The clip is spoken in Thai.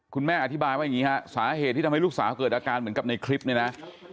คุณแม่อธิบายว่าอย่างนี้ฮะสาเหตุที่ทำให้ลูกสาวเกิดอาการเหมือนกับในคลิปนี้นะ